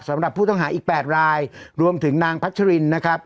สำหรับผู้ต้องหาอีก๘รายรวมถึงนางพัชรินนะครับ